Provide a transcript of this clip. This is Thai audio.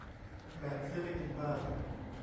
แบบซื้อไปกินบ้าน